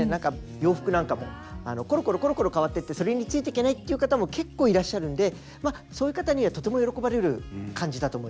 洋服なんかもころころころころ変わってってそれについていけないっていう方も結構いらっしゃるんでまあそういう方にはとても喜ばれる感じだと思います。